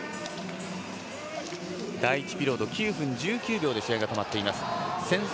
第１ピリオド９分１９秒で試合が止まっています。